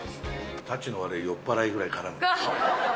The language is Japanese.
たちの悪い酔っ払いぐらいからむ。